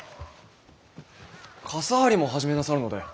傘張りも始めなさるので？